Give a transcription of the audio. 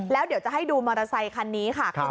แล้วเดี๋ยวจะให้ดูมอเตอร์ไซคันนี้ค่ะ